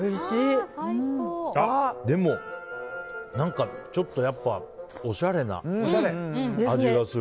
でも、ちょっとやっぱおしゃれな味がする。